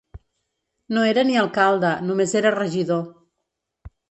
No era ni alcalde, només era regidor.